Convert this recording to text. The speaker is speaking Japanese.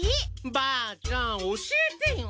ばあちゃん教えてよ。